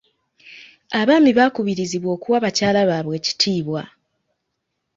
Abaami baakubirizibwa okuwa bakyala baabwe ekitiibwa.